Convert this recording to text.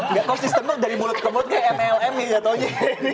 gak konsisten tuh dari mulut ke mulut kayak mlm nih gak taunya